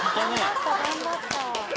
頑張った頑張った。